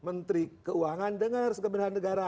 menteri keuangan dengar sekebenaran negara